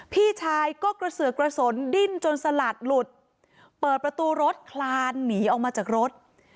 พี่ชายก็กระเสือกกระสนดิ้นจนสลัดหลุดเปิดประตูรถคลานหนีออกมาจากรถ